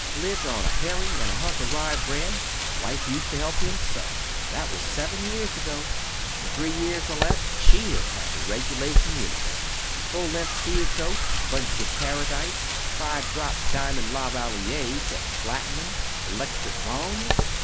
Lived on a herring and a hunk of rye bread. Wife used to help him sew. That was seven years ago. In three years, or less, she'll have the regulation uniform full length seal coat, bunch of paradise, five drop diamond La Valliere set in platinum, electric brougham.